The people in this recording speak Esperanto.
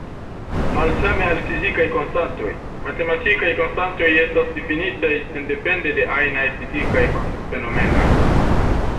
Malsame al fizikaj konstantoj, matematikaj konstantoj estas difinitaj sendepende de ajnaj fizikaj fenomenoj.